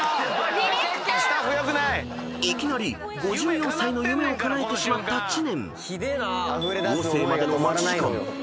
［いきなり５４歳の夢をかなえてしまった知念］